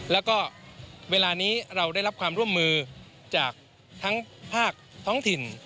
แล้วก็เวลานี้เราได้รับความร่วมมือจากทั้งภาคท้องถิ่น